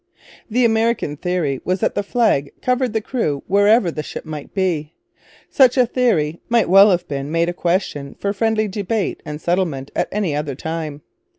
The American theory was that the flag covered the crew wherever the ship might be. Such a theory might well have been made a question for friendly debate and settlement at any other time.